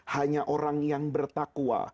hanya orang yang bertakwa